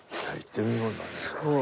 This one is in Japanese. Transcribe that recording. すごい。